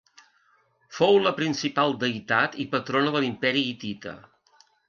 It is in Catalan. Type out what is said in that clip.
Fou la principal deïtat i patrona de l'Imperi Hitita.